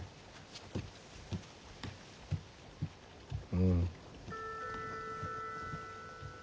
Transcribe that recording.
うん。